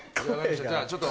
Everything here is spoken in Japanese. じゃあちょっと。